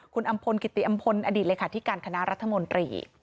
คุณอำพลกิติอำพลอดีตเลขาธิการคณะรัฐมนตรี